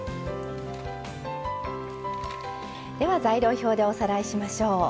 材料表でおさらいしましょう。